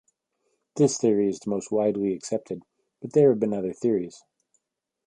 This theory is the most widely accepted, but there have been other theories.